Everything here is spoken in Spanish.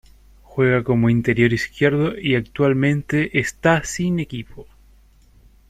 Juega como interior izquierdo y actualmente está sin equipo.